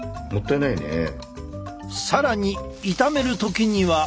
更に炒める時には。